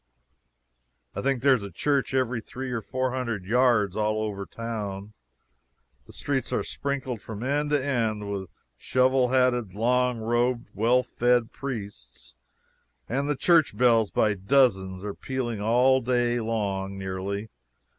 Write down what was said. I think there is a church every three or four hundred yards all over town. The streets are sprinkled from end to end with shovel hatted, long robed, well fed priests, and the church bells by dozens are pealing all the day long, nearly.